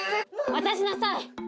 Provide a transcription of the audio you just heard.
渡しなさい。